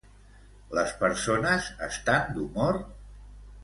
Les persones estan d'humor?